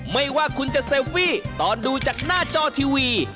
ไม่ว่าคุณจะเซลฟี่ตอนดูจากหน้าจอทีวี